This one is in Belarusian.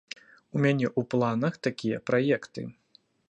У мяне ў планах такія праекты.